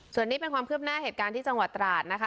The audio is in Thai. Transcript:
ส่วนนี้เป็นความคืบหน้าเหตุการณ์ที่จังหวัดตราดนะคะ